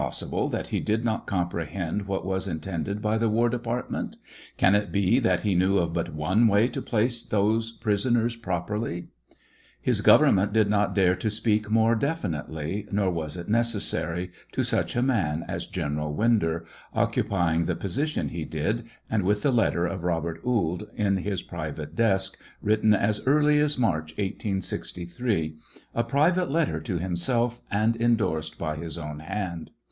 sible that he did not comprehend what was intended by the war department.? Can it be that he knew of but one way to place those prisoners properly ? His government did not dare to speak more definitely, nor was it necessary, to such a man as General Winder, occupying the position he did, and with the letter of Robert Ould in his private desk, written as early as March, 1863 — a private letter to himself and indorsed by his own hand.